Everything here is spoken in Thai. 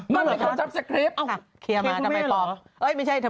มันจะไปจับสคริปท์